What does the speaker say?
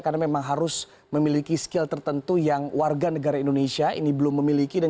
karena memang harus memiliki skill tertentu yang warga negara indonesia ini belum memiliki dan